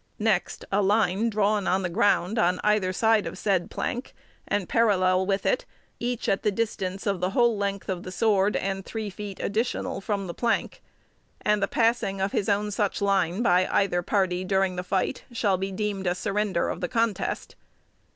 Next, a line drawn on the ground on either side of said plank and parallel with it, each at the distance of the whole length of the sword and three feet additional from the plank; and the passing of his own such line by either party during the fight shall be deemed a surrender of the contest.